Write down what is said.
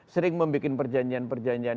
sering membuat perjanjian perjanjian